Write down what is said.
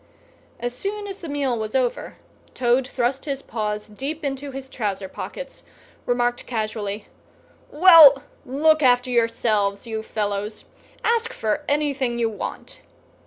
As soon as the meal was over, Toad thrust his paws deep into his trouser pockets, remarked casually, "Well, look after yourselves, you fellows! Ask for anything you want!"